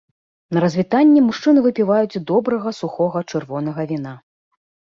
На развітанне мужчыны выпіваюць добрага сухога чырвонага віна.